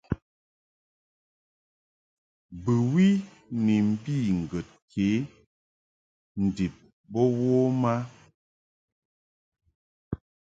Bɨwi ni mbi ŋgəd ke ndib bo wom a.